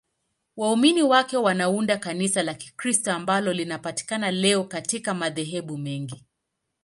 Waumini wake wanaunda Kanisa la Kikristo ambalo linapatikana leo katika madhehebu mengi.